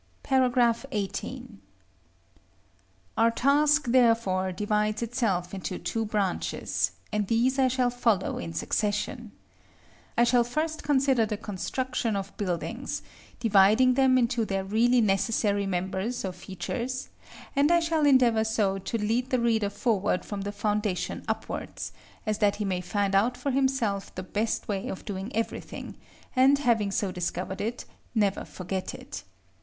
§ XVIII. Our task therefore divides itself into two branches, and these I shall follow in succession. I shall first consider the construction of buildings, dividing them into their really necessary members or features; and I shall endeavor so to lead the reader forward from the foundation upwards, as that he may find out for himself the best way of doing everything, and having so discovered it, never forget it.